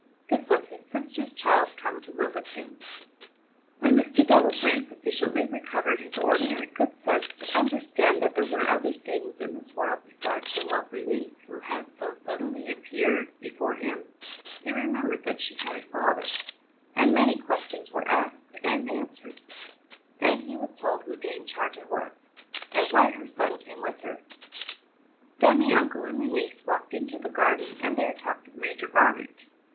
This was his sister's child come to live with him! When Mr. Delaplaine sufficiently recovered his ordinary good sense to understand that there were other things in this world besides the lovely niece who had so suddenly appeared before him, he remembered that she had a father, and many questions were asked and answered; and he was told who Dame Charter was, and why her son came with her. Then the uncle and the niece walked into the garden, and there talked of Major Bonnet.